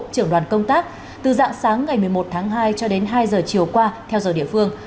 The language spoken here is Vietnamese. trưởng đoàn công tác từ dạng sáng ngày một mươi một tháng hai cho đến hai giờ chiều qua theo giờ địa phương